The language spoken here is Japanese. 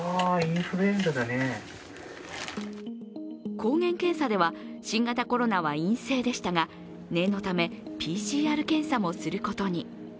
抗原検査では新型コロナは陰性でしたが念のため、ＰＣＲ検査もすることに。